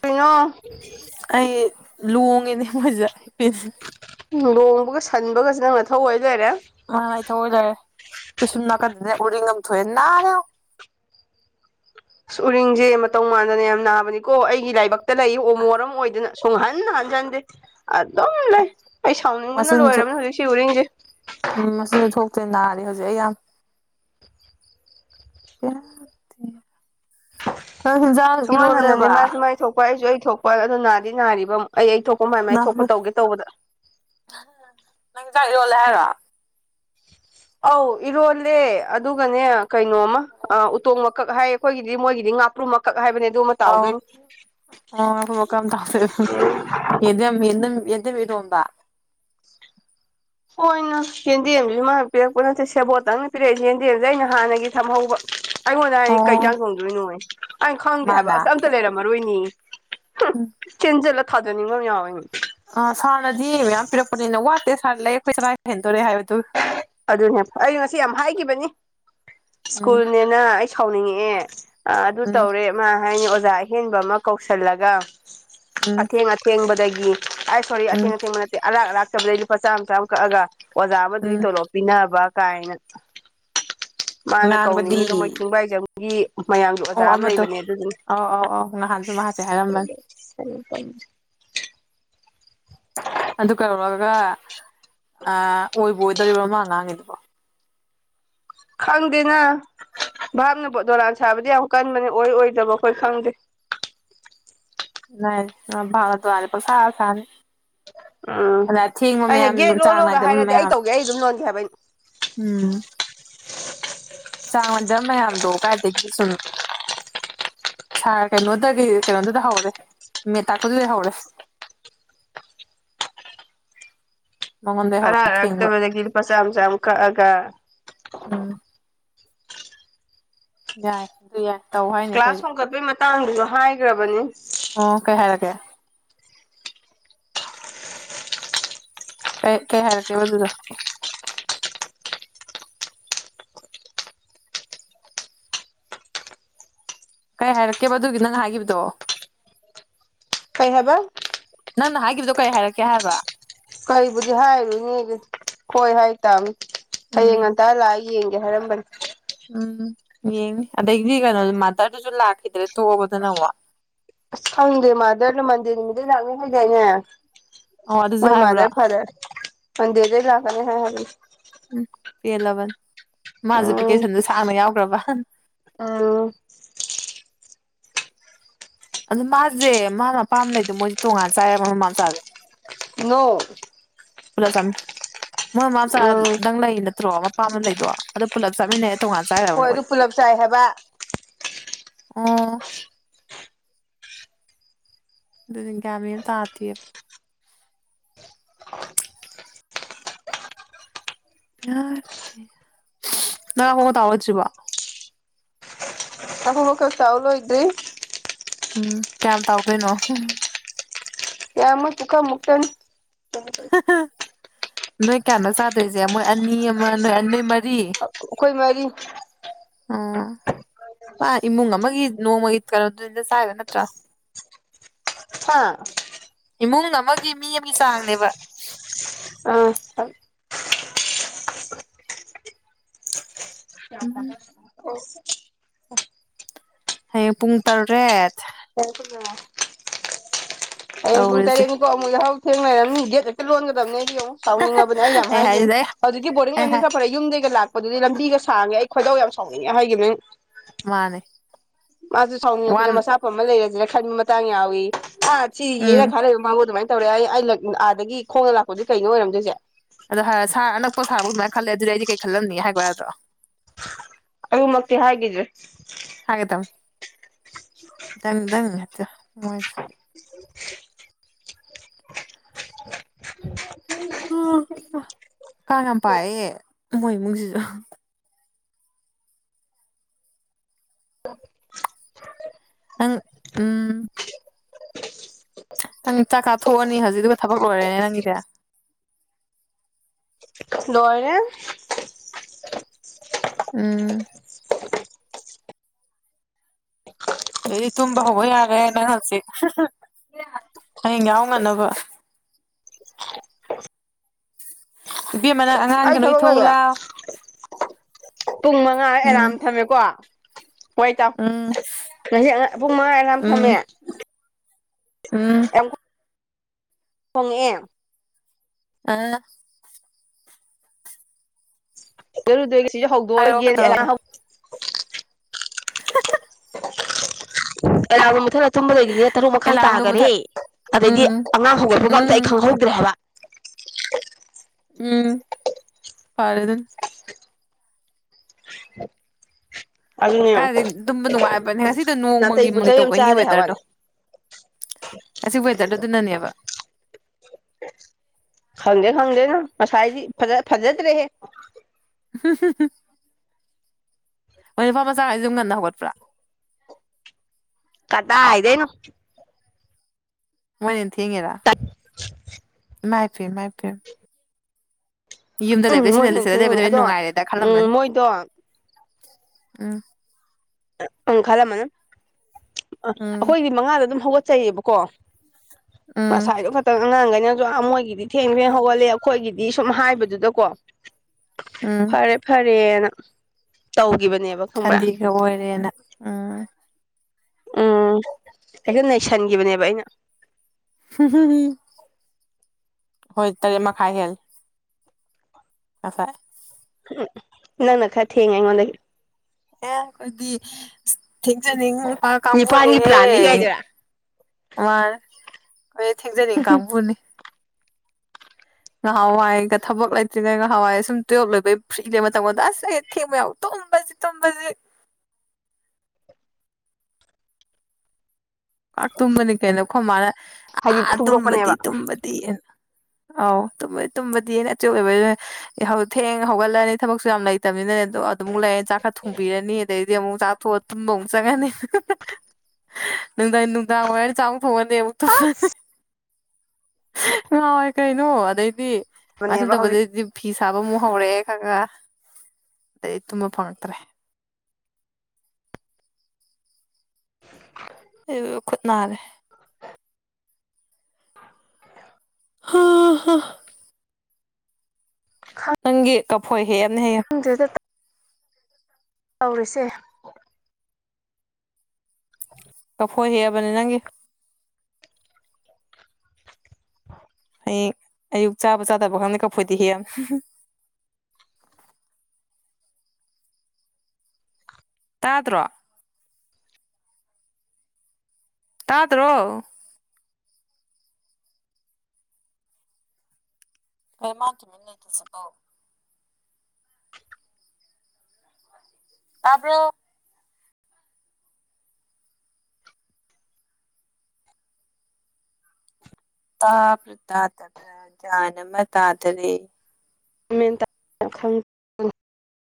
ꯁꯤꯉꯣ ꯂꯨꯉꯅꯤ ꯃꯖꯥ ꯍꯤꯡ ꯂꯣꯡꯕꯒ ꯁꯟꯕꯒꯁꯨ ꯅꯪꯅ ꯊꯧꯏ ꯂꯩꯔꯦ ꯃꯥ ꯑꯩ ꯊꯑꯣꯏꯖꯔꯦ ꯄꯩꯁꯨꯝ ꯅꯥꯀꯟꯗꯅꯦ ꯎꯔꯤ ꯊꯣ ꯏꯅꯥꯔꯣ ꯁ ꯎꯔꯤꯡꯁꯦ ꯃꯇꯧ ꯃꯥꯟꯗꯅ ꯌꯥꯝ ꯅꯥꯕꯅꯤꯀꯣ ꯑꯩꯒꯤ ꯂꯥꯏꯕꯛꯇ ꯂꯩ ꯎꯃꯣ ꯃꯔꯝ ꯑꯣꯏꯗꯨꯅ ꯁꯨꯡ ꯍꯥꯏꯥꯟ ꯍꯥꯟ ꯑꯗꯨꯝ ꯂꯩ ꯑꯩ ꯁꯥꯎꯅꯤꯡꯕꯅ ꯃꯆꯤꯟꯁꯨ ꯂꯣꯏꯔꯕꯅꯦ ꯍꯧꯖꯤꯛꯁꯤ ꯎꯔꯤꯡꯁꯦ ꯟꯅꯔꯦ ꯍꯧꯖꯦ ꯌꯥꯝ ꯄꯗꯤ ꯅ ꯁꯨꯡꯍꯟ ꯍꯟꯖꯟꯗꯦ ꯍꯤꯟꯖꯥꯡꯒꯤꯔꯣꯜꯂꯦꯕ ꯃꯥꯁꯨ ꯃꯥꯏ ꯊꯣꯛꯄ ꯑꯩꯁꯨ ꯑꯩ ꯊꯣꯛꯄ ꯑꯗꯨꯣ ꯅꯥꯗꯤ ꯅꯥꯔꯤꯕ ꯑꯩ ꯑꯩ ꯊꯣꯛꯄ ꯃꯥꯏ ꯃꯥꯏ ꯅꯪ ꯊꯣꯛꯄ ꯇꯧꯒꯦ ꯇꯧꯕꯗ ꯅꯪ ꯆ ꯋꯥꯂ ꯍꯥꯏꯦꯒ ꯑꯧ ꯏꯔꯣꯜꯂꯦ ꯑꯗꯨꯒꯅꯦ ꯀꯩꯅꯣꯝꯃ ꯎꯇꯣꯡ ꯃꯀꯛ ꯍꯥꯏꯌꯦ ꯑꯩꯈꯣꯏꯒꯤꯗꯤ ꯃꯣꯏꯒꯤꯗꯤ ꯉꯥꯄ꯭ꯔꯨ ꯃꯀꯛ ꯍꯥꯏꯕꯅꯦ ꯑꯗꯨ ꯑꯃ ꯑꯧ ꯇꯥꯎꯗꯣꯏꯅꯤ ꯑꯣ ꯇꯥ ꯑꯗꯨ ꯇꯣꯡꯝꯕ ꯍꯣꯏ ꯅ ꯍꯦꯟꯗꯦꯝꯁꯤ ꯃꯥ ꯄꯤꯔꯛꯄ ꯅꯠꯇꯦ ꯁꯦꯕꯣꯠꯇꯪꯅ ꯄꯤꯔꯛꯏ ꯍꯦꯟꯗꯦꯝꯁꯦ ꯑꯩꯅ ꯍꯥꯟꯅꯒꯤ ꯊꯝꯍꯧꯕ ꯑꯩꯉꯣꯟꯗ ꯍꯥꯏꯗꯤ ꯑꯣ ꯀꯩꯖꯥꯡ ꯆꯣꯡꯗꯣꯏꯅꯣ ꯑꯩꯅ ꯈꯪꯗꯦ ꯍꯥꯏꯕ ꯃꯥꯅ ꯑꯁ ꯑꯝꯇ ꯂꯩꯔꯝꯃꯔꯣꯏꯅꯤ ꯆꯦꯟꯖꯂ ꯊꯥꯖꯅꯤꯡꯉ ꯃꯤ ꯌꯥꯎꯋ ꯑ ꯁꯥꯔꯅꯗꯤ ꯃꯌꯥꯝ ꯄꯤꯔꯛꯄꯅꯤꯅ ꯋꯥꯠꯇꯦ ꯁꯥꯔꯅ ꯂꯩ ꯑꯩꯈꯣꯏ ꯆꯔ ꯍꯦꯟꯗꯣꯔꯦ ꯍꯥꯏꯕꯗꯨ ꯑꯗꯨꯅꯦ ꯑꯩ ꯉꯁꯤ ꯌꯥꯝ ꯍꯥꯏꯈꯤꯕꯅꯤ ꯎꯝ ꯁ꯭ꯀꯨꯜꯅꯦꯅ ꯁꯥꯎꯅꯤꯡꯉꯛꯑꯦ ꯑꯗꯨ ꯎꯝ ꯇꯧꯔꯦ ꯃꯥ ꯍꯥꯏꯅꯤ ꯑꯣꯖꯥ ꯑꯍꯦꯟꯕ ꯑꯃ ꯀꯧꯁꯤꯜꯂꯒ ꯎꯝ ꯑꯊꯦꯡ ꯑꯊꯦꯡꯕꯗꯒꯤ ꯑꯩ ꯁꯣꯔꯤ ꯎꯝ ꯑꯊꯦꯡ ꯑꯊꯦꯡꯕ ꯅꯠꯇꯦ ꯑꯔꯥꯛ ꯑꯔꯥꯛ ꯗꯩ ꯂꯨꯄꯥ ꯆꯥꯝꯃ ꯆꯥꯝꯃ ꯀꯛꯑꯒ ꯑꯣꯖꯥ ꯎꯝ ꯑꯃꯗꯨꯒꯤ ꯎꯝ ꯇꯣꯂꯣꯞ ꯄꯤꯅꯕ ꯀꯥꯏꯅ ꯃꯥꯅ ꯉꯥꯡꯕꯗꯤ ꯀꯧꯅꯤꯡꯉꯤꯗꯣ ꯃꯣꯏ ꯊꯨꯡꯕꯥꯏꯁ ꯑꯣ ꯑꯃꯇꯣ ꯑꯥꯎ ꯑꯥꯎ ꯑꯥꯎ ꯅꯍꯥꯟꯁꯨ ꯃꯍꯥꯛꯁꯦ ꯍꯥꯏꯔꯝꯕꯅꯤ [inaudible] ꯑꯗꯨ ꯀꯩꯧꯔꯒ ꯑꯣꯏꯕ ꯑꯣꯏꯗꯣꯔꯤꯕ ꯃꯃꯥ ꯑꯉꯥꯡꯉꯗꯨꯕꯣ ꯈꯪꯗꯦꯅ ꯚꯥꯞꯅ ꯗꯣꯔꯥꯟ ꯁꯥꯕꯗꯤ ꯌꯥꯝ ꯀꯟꯕꯅꯦ ꯑꯣꯏ ꯑꯣꯏꯗꯕ ꯑꯩꯈꯣꯏ ꯈꯪꯗꯦ ꯅ ꯅ ꯇ ꯑꯦ ꯄ ꯁ ꯁꯅꯤ ꯎꯝ ꯑꯗ ꯑꯊꯦꯡꯕ ꯑꯩꯅ ꯃꯌꯥꯝ ꯒꯦꯠ ꯅꯨꯡ ꯆꯥꯡ ꯂꯣꯜꯂꯣꯒ ꯅꯥꯏꯗꯕ ꯍꯥꯏꯔꯗꯤ ꯑꯩ ꯃꯌꯥꯝ ꯇꯧꯒꯦ ꯑꯩ ꯑꯗꯨꯝ ꯂꯣꯟꯒꯦ ꯍꯥꯏꯕ ꯑꯩꯅ ꯎꯝ ꯆꯥꯡ ꯃꯗꯕ ꯃꯌꯥꯝꯗꯣ ꯀꯥꯏꯗꯒꯤ ꯁꯨꯝ ꯁꯥꯔ ꯀꯩꯅꯣꯗꯒꯤ ꯀꯩꯅꯣꯗꯨꯗ ꯍꯧꯔꯦ ꯃꯦ ꯇꯥꯛꯄꯗꯨꯗꯒꯤ ꯍꯧꯔꯦ [unintelligible] ꯑꯔ ꯍꯧꯔꯦ ꯊꯦꯡꯕ ꯔꯛꯇꯕꯖꯒ ꯒꯤ ꯐꯁ ꯆꯑꯒ ꯎꯝ ꯌꯥꯏꯗꯌꯥ ꯀ꯭ꯂꯥꯁ ꯍꯣꯡꯒꯠꯄꯩ ꯃꯇꯥꯡꯗꯨꯁꯨ ꯍꯥꯏꯈ꯭ꯔꯕꯅꯤ ꯑꯣ ꯀꯩ ꯍꯥꯏꯔꯒꯦ ꯀꯩ ꯀꯩ ꯍꯥꯏꯔꯛꯀꯦꯕ ꯑꯗꯨꯗ ꯀꯩ ꯍꯥꯏꯔꯛꯀꯦꯕ ꯑꯗꯨꯒꯤ ꯅꯪ ꯍꯥꯏꯈꯤꯕꯗꯣ ꯀꯩꯍꯕ ꯅꯪꯅ ꯍꯥꯏꯈꯤꯕꯗꯣ ꯀꯔꯤ ꯍꯥꯏꯔꯛꯀꯦ ꯍꯥꯏꯕ ꯀꯔꯤꯕꯨꯗꯤ ꯍꯥꯏꯔꯨꯅꯦ ꯍꯣꯏ ꯍꯥꯏꯇꯥꯥꯔꯃꯤ ꯍꯌꯦꯡ ꯎꯝ ꯉꯟꯇꯥ ꯂꯥꯛꯏ ꯌꯦ ꯌꯦꯦ ꯍꯔꯝꯕꯔ ꯎꯝ ꯌꯦꯡꯉ ꯑꯗꯒꯤꯗꯤ ꯀꯩꯅꯣ ꯃꯥꯇꯔꯗꯨꯁꯨ ꯂꯥꯛꯈꯤꯗ꯭ꯔꯦ ꯊꯣꯛꯑꯕꯗꯨꯅ ꯑꯃꯨꯛ ꯑꯁꯪꯗꯦ ꯃꯥꯗꯔꯅ ꯃꯟꯗꯤꯔ ꯅꯨꯃꯤꯠꯇꯩ ꯂꯥꯛꯅꯤ ꯍꯥꯏꯗꯤꯏꯅꯦ ꯑꯣ ꯑꯗꯨꯁꯨ ꯃꯣꯏ ꯍꯥꯏꯕ꯭ꯔꯣ ꯃꯗꯔ ꯐꯥꯗꯔ ꯃ ꯗꯦꯦ ꯂꯒꯗ ꯍ ꯍꯥꯏ ꯄꯦꯜꯂꯕꯟ ꯃꯥꯁꯦ ꯚꯦꯀꯦꯁꯟꯗ ꯁꯥꯡꯅ ꯌꯥꯎꯈ꯭ꯔꯕ ꯑꯥ ꯑꯗ ꯃꯥꯁꯦ ꯃꯥꯅ ꯃꯄꯥꯝ ꯂꯩꯗ ꯃꯣꯏꯁꯦ ꯇꯣꯡꯉꯥꯟ ꯆꯥꯏꯔ ꯃꯃꯥ ꯃꯆꯥꯁꯦ ꯅ ꯄꯨꯜꯂꯞ ꯆꯥꯃꯤꯟꯅꯩ ꯃꯣꯏ ꯃꯃꯥ ꯃꯆꯥꯗꯪ ꯂꯩ ꯅꯠꯇ꯭ꯔꯣ ꯃꯄꯥ ꯑꯃ ꯂꯩꯗꯣ ꯑꯗꯣ ꯄꯨꯜꯂꯞ ꯆꯥꯃꯤꯟꯅꯩ ꯇꯣꯉꯥꯟ ꯆꯥꯏꯔꯕ ꯍꯣꯏ ꯑꯗꯨ ꯃꯣꯏꯁꯦ ꯄꯨꯂꯞ ꯆꯥꯏ ꯍꯥꯏꯕ ꯑꯥ ꯑꯗꯨꯗꯤ ꯀꯃꯤ ꯇ ꯑꯇꯦ ꯄ ꯅ ꯑꯃ ꯇꯋꯥꯖꯕ ꯇꯃ ꯀ ꯆꯥꯎꯂꯣ ꯏꯗ꯭ꯔꯤ ꯎꯝ ꯀꯌꯥꯝ ꯇꯥꯎꯗꯣꯏꯅꯣ ꯌꯥꯃ ꯇꯀ ꯃꯨꯛꯇ ꯅꯣꯏ ꯀꯌꯥꯅꯣ ꯆꯥꯗꯣꯏꯁꯦ ꯃꯣꯏ ꯑꯅꯤ ꯑꯃ ꯅꯣꯏ ꯅꯣꯏ ꯃꯔꯤ ꯀꯣꯏ ꯃꯔꯤ ꯑꯥ ꯃꯥ ꯏꯃꯨꯡ ꯑꯃꯒꯤ ꯅꯣꯡꯃꯒꯤ ꯀꯩꯅꯣꯗꯨꯗ ꯆꯥꯏꯕ ꯅꯠꯇ꯭ꯔꯥ ꯍꯥꯥ ꯏꯃꯨꯡ ꯑꯃꯒꯤ ꯃꯤ ꯑꯃꯒꯤ ꯆꯥꯡꯅꯦꯕ ꯑ ꯎꯝꯝ ꯍꯌꯦꯡ ꯄꯨꯡ ꯇꯔꯦꯠ ꯀꯔ ꯐꯕ ꯑꯗꯨꯝ ꯄꯨꯡ ꯇꯧꯔꯤꯁꯦ ꯇꯔꯦꯠ ꯨꯄꯥꯛ ꯑꯃꯨꯛ ꯌꯥꯍꯥꯎ ꯊꯦꯡꯅꯔꯝꯅꯤ ꯒꯦꯠ ꯂꯣꯟꯒꯗꯕꯅꯦ ꯑꯩ ꯌꯦꯡꯉ ꯆꯥꯎꯥꯎꯅꯤꯡꯉꯕꯅꯦ ꯑꯩ ꯌꯥꯝ ꯍꯥꯏꯒꯦ ꯍꯥꯏꯁꯤꯗ ꯑꯩ ꯍꯧꯛ ꯕꯣꯔꯗꯤꯡ ꯑꯩ ꯌꯥꯝ ꯍꯥꯏ ꯁꯥꯐꯔꯦ ꯌꯨꯝꯗꯒꯤꯒ ꯂꯥꯛꯦ ꯑꯗꯨꯗꯤ ꯂꯝꯕꯤꯒ ꯁꯥꯡꯉꯦ ꯑꯩ ꯈꯣꯏꯗꯧ ꯌꯥꯝ ꯁꯥꯎꯅꯤꯡꯉꯦ ꯍꯥꯏꯈꯤꯕꯦ ꯅꯪ ꯃꯥꯅꯦ ꯃꯥꯁꯨ ꯁꯥꯎꯅꯤꯡꯉꯛꯇꯅ ꯋꯥꯟ ꯃꯁꯥ ꯐ ꯑꯃ ꯂꯩꯔꯁꯤꯅ ꯈꯟꯕ ꯃꯇꯥꯡ ꯌꯥꯎꯏꯤ ꯑꯥ ꯁꯤ ꯌꯦꯅ ꯎꯝ ꯈꯔ ꯂꯩꯕ ꯃꯥꯕꯨ ꯑꯗꯨꯃꯥꯏꯅ ꯇꯧꯔꯦ ꯑꯩ ꯑꯥꯗꯒꯤ ꯈꯣꯡꯅ ꯂꯥꯛꯄꯗꯨꯗꯤ ꯀꯩꯅꯣ ꯑꯣꯏꯔꯝꯗꯣꯏꯁꯦ ꯑꯗꯣ ꯍꯥꯏꯔ ꯁꯥꯔ ꯁꯥꯕ ꯑꯅꯛꯄ ꯑꯗꯨꯃꯥꯏ ꯈꯜꯂꯦ ꯑꯗꯨꯗꯗꯤ ꯀꯩꯜꯂꯝꯅꯤ ꯍꯥꯏꯕ ꯍꯥꯏꯗ꯭ꯔꯣ ꯑ ꯃꯦ ꯍꯥꯏꯗ꯭ꯔꯦ ꯇꯪꯗꯪ ꯉꯆꯥ ꯃꯣꯏ ꯁꯔꯤ ꯎ ꯀ ꯌꯥꯝ ꯄꯥꯏꯑ ꯃꯣꯏ ꯏꯃꯨꯡꯁꯤꯁꯨ ꯑꯪ ꯎꯝ ꯅꯪ ꯆꯥꯛꯀꯥꯊꯣꯛꯑꯅꯤ ꯍꯧꯖꯤꯛꯗꯨꯒ ꯊꯕꯛ ꯂꯣꯏꯔꯦꯅꯦ ꯅꯪꯒꯤꯗꯤ ꯗꯏꯔꯦꯟ ꯎꯝ ꯑꯗꯨꯗꯤ ꯇꯨꯝꯕ ꯍꯧꯕ ꯌꯥꯔꯦꯅ ꯍꯧꯪꯁꯤꯦ ꯍꯌꯦꯡ ꯌꯥꯎꯅꯅꯕ ꯅꯨꯄꯤ ꯑꯃꯅ ꯑꯉꯥꯡꯒꯤ ꯑꯩ ꯊꯕꯛ ꯂꯣꯏꯊꯧ ꯂꯩꯌꯦ ꯂꯥꯎꯑꯣ ꯄꯨꯡ ꯃꯉꯥ ꯑꯦꯂꯥꯔꯝ ꯊꯝꯃꯦꯀꯣ ꯍꯣꯏ ꯏ ꯇꯥꯎ ꯎꯝ ꯉꯁꯤ ꯄꯨꯡ ꯃꯉꯥꯔꯝ ꯎꯝ ꯊꯝꯃꯦ ꯎꯝ ꯐꯣꯡꯉꯑꯦ ꯑꯥ ꯔꯨꯗꯣꯏꯒꯦ ꯁꯤꯁꯨꯦ ꯍꯥꯏꯔꯛꯑꯣ ꯍꯧꯗꯣꯛꯑꯔꯒꯦ ꯀꯩꯗꯧꯔꯕ ꯑꯦꯂꯒ ꯃꯊ ꯑ ꯆꯨꯝꯕꯗꯩꯗꯤꯅꯦ ꯇꯔꯨꯛ ꯃꯈꯥꯏ ꯑꯦꯂꯥꯝꯗꯣ ꯇꯥꯈꯔꯦ ꯃꯨꯊꯠ ꯑꯗꯩꯗꯤ ꯎꯝ ꯑꯉꯥꯡ ꯍꯧꯒꯠꯄꯒ ꯑꯝꯇ ꯑꯩ ꯎꯝ ꯈꯪꯍꯧꯗ꯭ꯔꯦ ꯍꯥꯏꯕ [unintelligible] ꯎꯝ ꯐꯔꯦ ꯑꯗꯨꯅ [unintelligible] ꯀꯥꯏꯗꯒꯤ ꯑꯗꯨꯝꯕ ꯅꯨꯡꯉꯥꯏꯕꯅꯦ ꯉꯁꯤꯗꯣ ꯅꯣꯡ ꯃꯪꯂꯤ ꯅꯥꯇꯩ ꯃꯪꯂꯤ ꯄꯨꯆꯩ ꯑꯃ ꯇꯧꯕꯩꯅꯤ ꯆꯥꯗꯦ ꯋꯦꯗꯔꯗꯣ ꯍꯥꯏꯕꯋꯥꯅꯦ ꯉꯁ ꯑꯣꯏꯦꯗꯔ ꯑꯗꯨ ꯑꯗꯨꯅꯅꯦꯕ ꯈꯪꯗꯦ ꯈꯪꯗꯦꯅ ꯉꯁꯥꯏꯗꯤ ꯐꯖꯗ꯭ꯔꯦꯍꯦ [unintelligible] ꯃꯅꯤꯄꯨꯔ ꯃꯆꯥꯈꯁꯨꯨꯝ ꯉꯟꯅ ꯍꯧꯒꯠꯄ꯭ꯔꯥ ꯀꯗꯥ ꯏꯗꯦꯅ ꯃꯣꯏ ꯊꯦꯡꯉꯦꯔ ꯃꯥꯏ ꯄꯌ ꯃꯥꯏ ꯄꯌ ꯌꯨꯝꯗ ꯎꯝ ꯂꯩꯕ ꯃꯣꯏ ꯁꯤꯅꯦ ꯍꯦꯟꯅ ꯂꯩꯁꯗ ꯊꯦꯡꯉꯤꯅꯦ ꯂꯩꯕꯗ ꯑꯗꯣ ꯅꯨꯡꯉꯥꯏꯔꯦꯗ ꯈꯜꯂꯝꯃꯟ ꯎꯝ ꯃꯣꯏꯗꯣ ꯎꯝ ꯎꯝ ꯈꯜꯂꯝꯃꯅꯤ ꯑ ꯎꯝ ꯑꯩꯈꯣꯏꯗꯤ ꯃꯉꯥꯗ ꯑꯗꯨꯝ ꯍꯧꯒꯠ ꯆꯠ ꯆꯩꯩꯌꯦꯕꯀꯣ ꯎꯝ ꯉꯁꯥꯏꯗꯣ ꯈꯇꯪ ꯑꯉꯥꯡꯈꯩꯅ ꯃꯣꯏꯒꯤꯗꯤ ꯊꯦꯡ ꯊꯦꯡ ꯍꯧꯒꯠꯂ ꯑꯩꯈꯣꯏꯒꯤꯗꯤ ꯁꯨꯝ ꯍꯥꯏꯕꯗꯨꯗꯀꯣ ꯎꯝ ꯐꯔꯦ ꯐꯔꯦꯅ ꯇꯧꯈꯤꯕꯅꯦꯕ ꯈꯪꯕ꯭ꯔꯥ ꯦꯅ ꯎꯝ ꯎꯝ ꯑꯩꯛꯇ ꯅꯩꯁꯤꯟꯈꯤꯕꯅꯦꯕ ꯑꯩꯅ ꯍꯣꯏ ꯇꯔꯦꯠ ꯃꯈꯥꯏ ꯍꯦꯜ ꯀꯈꯥꯏ ꯎꯝ ꯅꯪꯅ ꯈ ꯊꯦꯡꯉ ꯑꯩꯉꯣꯟꯗꯗꯒꯤ ꯑꯦ ꯀꯣꯏꯗꯤ ꯊꯦꯡꯁꯅꯤꯡ ꯅꯤꯄꯥꯟꯒꯤ ꯀꯥꯡꯕꯨꯅꯤꯍꯦ ꯄ꯭ꯂꯥꯟꯅꯤ ꯀꯥꯏꯗꯨꯔꯥ ꯋꯥ ꯊꯖꯅꯤ ꯀꯝꯕꯨꯅꯤ ꯉꯍꯥꯟꯋꯥꯏꯒ ꯊꯕꯛ ꯂꯩꯇ꯭ꯔꯤꯉꯩ ꯉꯍꯋꯥꯏꯒ ꯁꯨꯝ ꯇꯨꯌꯦꯦꯜꯕ ꯂꯣꯏꯕꯩ ꯐ꯭ꯔꯤ ꯂꯩꯦ ꯃꯇꯝꯉꯗ ꯑꯁ ꯍ ꯊꯦꯡꯕ ꯌꯥꯎꯗꯣ ꯇꯝꯕꯗꯤ ꯇꯝꯕꯗꯤ ꯀ ꯇꯨꯝꯕꯅꯤ ꯀꯩꯅꯣꯈꯣ ꯃꯥꯅ ꯍꯥꯏꯗꯤ ꯑꯥ ꯇꯨꯝꯕꯗꯤ ꯐꯣꯡꯗꯣꯛꯄꯅꯦꯕ ꯇꯨꯝꯕꯗꯤꯅ ꯑꯧ ꯇꯨꯝꯕꯗꯤ ꯑꯩꯅ ꯑꯆꯦ ꯑꯣꯏꯕ ꯊꯦꯡ ꯍꯧꯒꯠꯂꯅꯤ ꯊꯕꯛꯁꯨ ꯌꯥꯝ ꯂꯩꯇꯕꯅꯤꯅꯅꯦ ꯑꯗꯣ ꯑꯗꯨꯃꯨꯛ ꯂꯩꯔꯦ ꯆꯥꯛꯀ ꯊꯣꯡꯕꯤꯔꯅꯤ ꯑꯗꯩ ꯑꯗꯨꯗꯤ ꯑꯃꯨꯛ ꯆꯥꯛꯊꯣꯛꯑ ꯇꯨꯝꯕ ꯑꯃꯨꯛ ꯆꯪꯉꯅꯤ ꯅꯨꯡꯗꯥꯏ ꯅꯨꯡꯗꯥꯡ ꯋꯥꯏꯔꯅꯤ ꯆꯥꯃꯨꯛ ꯐꯣꯡꯉꯅꯤ ꯑꯃꯨꯛꯛꯇ ꯂꯏ ꯀꯩꯅꯣ ꯑꯗꯩꯗꯤ ꯉꯁꯤꯟ ꯅꯦꯕ ꯍꯧꯖꯤꯛ ꯇꯧꯕꯗꯩꯗꯤ ꯐꯤ ꯁꯥꯕ ꯑꯃꯨꯛ ꯍꯧꯔꯛꯑꯦ ꯈ ꯈ ꯑꯗꯩ ꯇꯨꯝꯕ ꯐꯪꯉꯛꯇ꯭ꯔꯦ [inaudible] ꯈꯨꯠꯅꯥꯔꯦ [inaudible] ꯍꯥ ꯍ ꯅꯪꯒꯤ ꯀꯐꯣꯏ ꯍꯦꯛ ꯍꯦꯛꯌ ꯈꯪꯗ꯭ꯔꯦꯗ ꯇꯧꯔꯤꯁꯦ ꯍꯣꯏ ꯍꯦꯕꯅꯤ ꯅꯪꯒꯤ ꯑꯩ ꯑꯌꯨꯛ ꯆꯥꯕ ꯆꯥꯗꯕ ꯈꯪꯗꯦ ꯀꯛꯐꯣꯏꯗꯤ ꯍꯦꯛ [inaudible] ꯇꯥꯗ꯭ꯔꯣ ꯇꯥꯗꯔꯣ ꯔꯦꯃꯀꯤ ꯃꯟꯅ ꯀ ꯁꯤꯕ [inaudible] ꯇꯥꯕꯔꯣ ꯇꯥꯕ ꯇꯥꯗꯕ꯭ꯔꯥ ꯒꯌ꯭ꯥꯟ ꯑꯃꯥ ꯇꯥꯗꯔꯦ [unintelligible] [unintelligible]